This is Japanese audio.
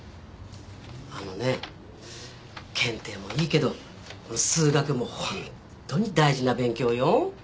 あのね検定もいいけどこの数学もほんとに大事な勉強よ